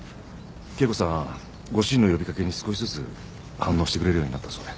圭子さんご主人の呼びかけに少しずつ反応してくれるようになったそうで。